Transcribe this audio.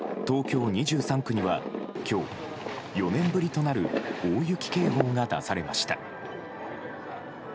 東京２３区には、今日４年ぶりとなる大雪警報が出されました。